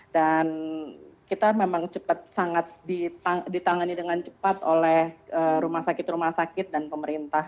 kita memang cepat sangat ditangani dengan cepat oleh rumah sakit rumah sakit dan pemerintah